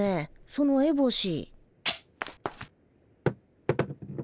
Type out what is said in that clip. そのエボシ。